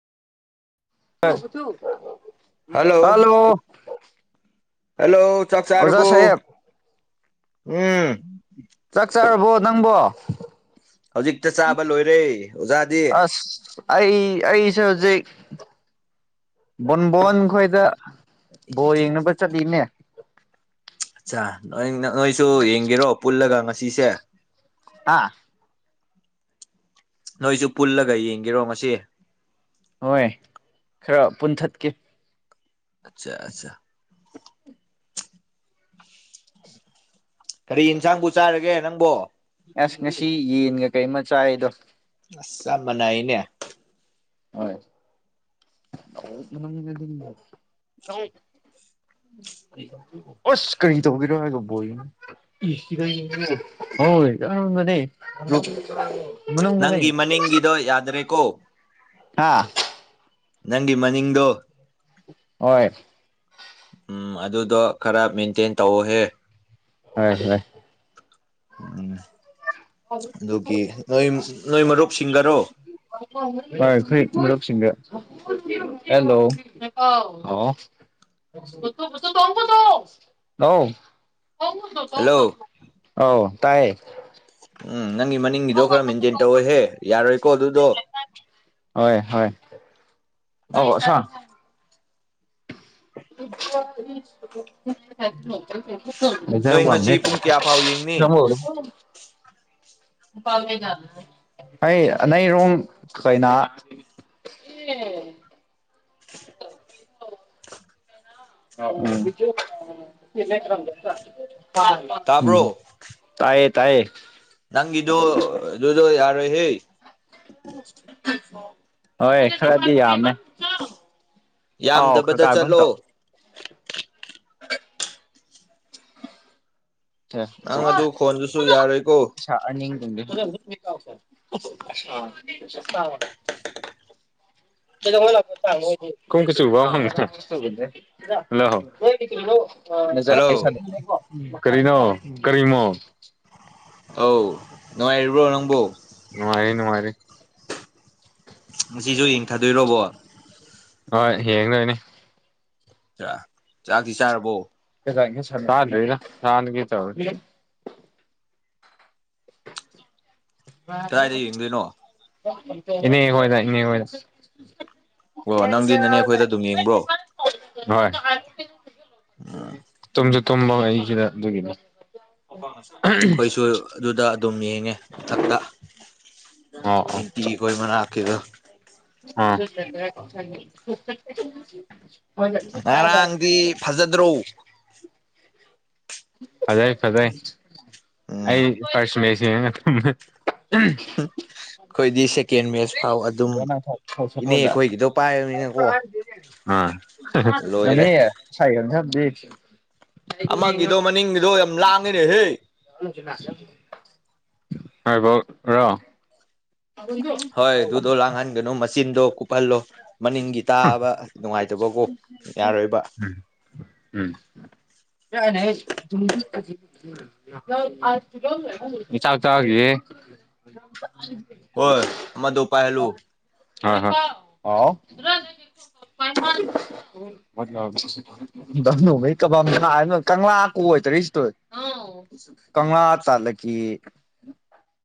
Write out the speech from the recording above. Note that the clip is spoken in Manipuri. ꯀꯁ ꯊ [unintelligible] ꯍꯜꯂꯣ ꯍꯜꯂꯣ ꯆꯥꯛ ꯑꯣꯖꯥ ꯆꯥꯥꯔꯕꯨ ꯁꯥꯍꯦꯕ ꯎꯝ ꯆꯥꯛ ꯆꯥꯔꯕꯣ ꯅꯪꯕꯣ ꯍꯧꯖꯤꯛꯇ ꯆꯥꯕ ꯂꯣꯏꯔꯦ ꯑꯣꯖꯥꯗꯤ ꯑꯁ ꯑꯩ ꯑꯩꯁꯦ ꯍꯧꯖꯤꯛ ꯕꯣꯟꯕꯣꯟ ꯈꯣꯏꯗ ꯕꯣ ꯌꯦꯡꯅꯕ ꯆꯠꯂꯤꯅꯦ ꯑꯆꯥ ꯅꯣꯏꯁꯨ ꯌꯦꯡꯒꯦꯔꯣ ꯄꯨꯜꯂꯒ ꯉꯁꯤꯁꯦ ꯍꯥ ꯅꯣꯏꯁꯨ ꯄꯨꯜꯂꯒ ꯌꯦꯡꯒꯦꯔꯣ ꯉꯁꯤ ꯍꯣꯏ ꯈꯔ ꯄꯨꯟꯊꯠꯀꯦ ꯑꯆꯥ ꯑꯆꯥ ꯀꯔꯤ ꯌꯦꯟꯁꯥꯡꯕꯨ ꯆꯥꯔꯒꯦ ꯅꯪꯕꯣ ꯑꯁ ꯉꯁꯤ ꯌꯦꯟꯒ ꯀꯩꯃ ꯆꯥꯏꯗꯣ ꯑꯁ ꯆꯥꯞ ꯃꯅꯩꯅꯦ ꯍꯣꯢ ꯑꯁ ꯀꯔꯤ ꯇꯧꯒꯦꯔꯣ ꯍꯥꯏꯔꯒ [unintelligible] ꯢꯁ ꯁꯤꯗ ꯌꯦꯡꯒꯅꯤ [unintelligible] [unintelligible] ꯍꯣꯢ ꯅꯪꯒꯤ ꯃꯅꯤꯡꯒꯤꯗꯣ ꯌꯥꯗ꯭ꯔꯦꯀꯣ ꯍꯥꯥ ꯅꯪꯒꯤ ꯃꯅꯤꯡꯗꯣ ꯍꯣꯏ ꯎꯝ ꯑꯗꯨꯗꯣ ꯈꯔ ꯃꯦꯟꯇꯦꯟ ꯇꯧꯑꯣꯍꯦ ꯍꯣꯢ ꯍꯣꯢ ꯎꯝ ꯑꯗꯨꯒꯤ ꯅꯣꯏ ꯅꯣꯏ ꯃꯔꯨꯞ ꯁꯤꯡꯒꯔꯣ ꯍꯣꯏ ꯑꯩꯈꯣꯏ ꯃꯔꯨꯞꯁꯤꯡꯒ ꯍꯦꯜꯂꯣ ꯍꯥꯎ ꯑ [unintelligible] ꯍꯜꯂꯣ ꯑꯥꯎ ꯇꯥꯏꯌꯦ ꯎꯝ ꯅꯪꯒꯤ ꯃꯅꯤꯡꯒꯤꯗꯣ ꯈꯔ ꯃꯦꯟꯇꯦꯟ ꯇꯧꯋꯦꯍꯦ ꯌꯥꯔꯣꯏꯀꯣ ꯑꯗꯨꯗꯣ ꯍꯣꯏ ꯍꯣꯏ ꯑꯣ ꯑꯠꯁꯥ [unintelligible] ꯅꯣꯏ ꯃꯖꯕꯨꯃ ꯉꯁꯤ ꯄꯨꯡ ꯀꯌꯥ ꯐꯥꯎ ꯌꯦꯡꯅꯤ [unintelligible] [unintelligible] [unintelligible] [inaudible] ꯇꯥꯕ꯭ꯔꯣ [unintelligible] ꯇꯥꯏꯌꯦ ꯇꯥꯏꯌꯦ ꯅꯪꯒꯤꯗꯣ ꯖꯣ ꯖꯣ ꯌꯥꯔꯣꯏꯍꯦ ꯍꯣꯏ ꯈꯔꯗꯤ ꯌꯥꯝꯃꯦ ꯌꯥꯝꯗꯕꯗ ꯆꯠꯂꯣ [inaudible] ꯄꯩꯁꯥ ꯅꯪ ꯑꯗꯨ ꯈꯣꯟꯗꯨꯁꯨ ꯌꯥꯔꯣꯏꯀꯣ [unintelligible] ꯀꯩꯗꯧꯉꯩ ꯂꯥꯛꯄ ꯇꯥꯡꯅꯣ [unintelligible] ꯍꯜꯂꯣ ꯀꯔꯤꯅꯣ ꯀꯔꯤꯃꯣ ꯑꯧ ꯅꯨꯡꯉꯥꯏꯔꯤꯕꯣ ꯅꯪꯕꯣ ꯅꯨꯡꯉꯥꯏꯔꯤ ꯅꯨꯡꯉꯥꯏꯔꯤ ꯉꯁꯤꯁꯨ ꯌꯦꯡꯊꯥꯗꯣꯏꯔꯣ ꯕꯣꯜ ꯍꯣꯏ ꯌꯦꯡꯗꯣꯏꯅꯤ ꯆꯥ ꯆꯥꯛꯇꯤ ꯆꯥꯔꯕꯣ [unintelligible] ꯆꯥꯗ꯭ꯔꯤꯗ ꯆꯥꯔꯒꯦ ꯇꯧꯔꯤ ꯀꯗꯥꯏꯗ ꯌꯦꯡꯗꯣꯏꯅꯣ [unintelligible] ꯏꯅꯦ ꯍꯣꯏꯗ ꯏꯅꯦ ꯍꯣꯏꯗ ꯑꯣ ꯅꯪꯗꯤ ꯅꯅꯦ ꯑꯩꯈꯣꯏꯗ ꯑꯗꯨꯝ ꯌꯦꯡꯕ꯭ꯔꯣ [unintelligible] ꯍꯣꯏ ꯇꯨꯝꯁꯨ ꯇꯨꯝꯕ ꯑꯩꯁꯤꯗ ꯑꯗꯨꯒꯤꯅꯤ ꯑꯩꯈꯣꯏꯁꯨ ꯑꯗꯨꯗ ꯑꯗꯨꯝ ꯌꯦꯡꯉꯦ ꯃꯊꯛꯇ ꯑꯣ ꯑꯣ ꯇꯦꯡꯀꯤꯈꯣꯏ ꯃꯅꯥꯛꯀꯤꯗꯣ ꯑꯥ [unintelligible] ꯉꯔꯥꯡꯗꯤ ꯐꯖꯗ꯭ꯔꯣ [unintelligible] ꯐꯖꯩ ꯐꯖꯩ ꯎꯝ ꯑꯩ ꯐꯥꯔꯁ ꯁꯦꯃꯤꯁ [unintelligible] ꯑꯩꯈꯣꯏꯗꯤ ꯁꯦꯀꯦꯟ ꯃꯦꯠꯆ ꯐꯥꯎ ꯑꯗꯨꯝ ꯏꯅꯦ ꯁꯄꯣꯔꯠꯂ ꯈꯣꯏꯒꯤꯗꯣ ꯄꯥꯏꯔꯕꯅꯤꯅꯀꯣ ꯑꯥ ꯂꯣꯏꯔꯦ [unintelligible] ꯑꯃꯒꯤꯗꯣ ꯃꯅꯤꯡꯒꯤꯗꯣ ꯌꯥꯝ ꯂꯥꯡꯉꯦꯅꯦꯍꯦ [unintelligible] ꯍꯣꯏ ꯑꯗꯨꯗꯣ ꯂꯥꯡꯍꯟꯒꯅꯣ ꯃꯆꯤꯟꯗꯣ ꯀꯨꯞꯐꯜꯂꯣ ꯃꯅꯤꯡꯒꯤ ꯇꯥꯕ ꯅꯨꯡꯉꯥꯏꯇꯕꯀꯣ ꯌꯥꯔꯣꯏꯕ ꯎꯝ [unintelligible] [unintelligible] ꯑꯩ ꯆꯥꯛ ꯆꯥꯈꯤꯒꯦꯍꯦ ꯍꯣꯏ ꯑꯃꯗꯣ ꯄꯥꯥꯏꯍꯜꯂꯨ ꯥꯍꯣꯏ ꯍꯣꯏ ꯍꯥꯎ [unintelligible] [unintelligible] [unintelligible] [unintelligible]